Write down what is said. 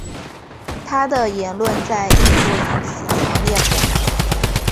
他的言论在印度引发强烈不满。